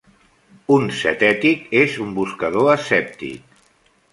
Un zetètic és un "buscador escèptic"..